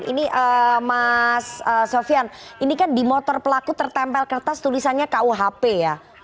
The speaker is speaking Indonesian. jadi mas sofian ini kan di motor pelaku tertempel kertas tulisannya kuhp ya